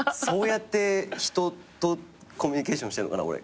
そうやって人とコミュニケーションしてんのかな